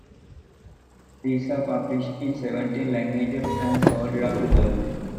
These are published in seventeen languages and sold around the world.